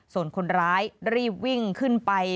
ส่วนคนร้ายรีบวิ่งขึ้นไป